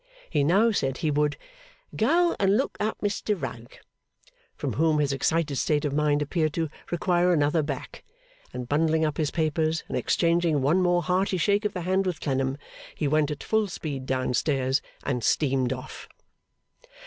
He now said he would 'go and look up Mr Rugg', from whom his excited state of mind appeared to require another back; and bundling up his papers, and exchanging one more hearty shake of the hand with Clennam, he went at full speed down stairs, and steamed off.